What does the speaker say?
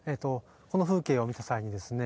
この風景を見た際にですね